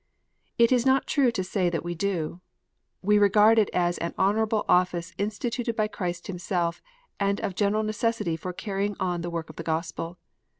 It is not true to say that we do. We regard it as an honourable office instituted by Christ Himself, and of general necessity for carrying on the work of the Gospel.